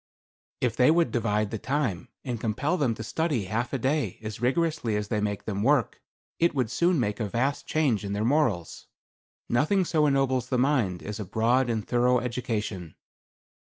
"If they would divide the time, and compel them to study half a day as rigorously as they make them work, it would soon make a vast change in their morals. Nothing so ennobles the mind as a broad and thorough education."